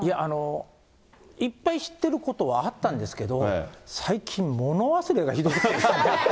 いっぱい知ってることはあったんですけど、最近、物忘れがひどくて。